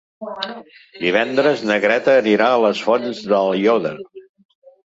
Divendres na Greta anirà a les Fonts d'Aiòder.